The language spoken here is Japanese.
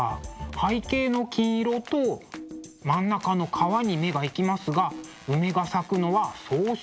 背景の金色と真ん中の川に目が行きますが梅が咲くのは早春。